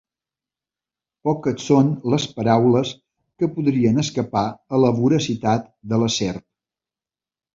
Poques són les paraules que podrien escapar a la voracitat de la serp.